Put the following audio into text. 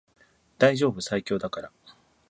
大丈夫最強だから